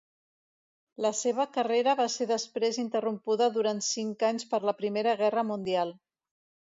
La seva carrera va ser després interrompuda durant cinc anys per la Primera Guerra Mundial.